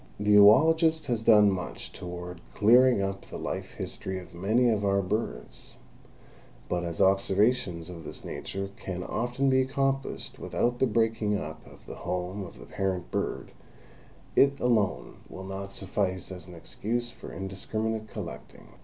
The oologist has done much toward clearing up the life history of many of our birds, but as observations of this nature can often be accomplished without the breaking up of the home of the parent bird, it alone will not suffice as an excuse for indiscriminate collecting.